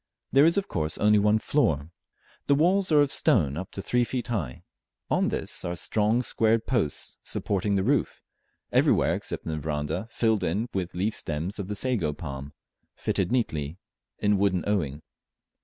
There is of course only one floor. The walls are of stone up to three feet high; on this are strong squared posts supporting the roof, everywhere except in the verandah filled in with the leaf stems of the sago palm, fitted neatly in wooden owing.